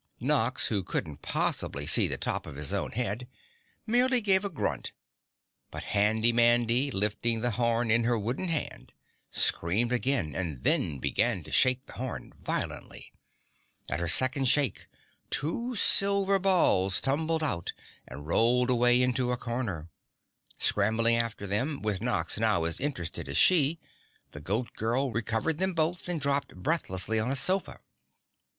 Nox, who couldn't possibly see the top of his own head, merely gave a grunt, but Handy Mandy, lifting the horn in her wooden hand, screamed again and then began to shake the horn violently. At her second shake, two silver balls tumbled out and rolled away into a corner. Scrambling after them, with Nox now as interested as she, the Goat Girl recovered them both and dropped breathlessly on a sofa.